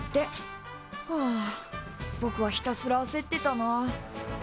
はあぼくはひたすらあせってたな。